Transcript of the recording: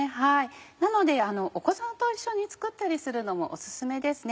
なのでお子さんと一緒に作ったりするのもお薦めですね。